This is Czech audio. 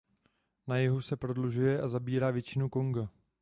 Na jihu se prodlužuje a zabírá většinu Konga.